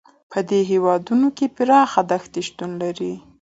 په دې هېوادونو کې پراخې دښتې شتون لري.